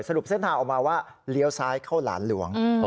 เส้นทางออกมาว่าเลี้ยวซ้ายเข้าหลานหลวง